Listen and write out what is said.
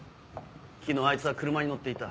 昨日あいつは車に乗っていた。